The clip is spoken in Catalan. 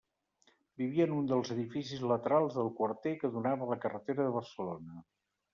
Vivia en un dels edificis laterals del quarter que donava a la carretera de Barcelona.